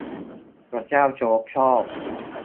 บร๊ะเจ้าโจ๊กชอบ